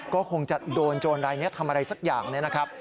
ก็คงจะโดนโจรรายนี้ทำอะไรสักอย่างเนี่ยนะครับ